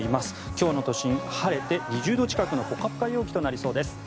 今日の都心、晴れて２０度近くのポカポカ陽気となりそうです。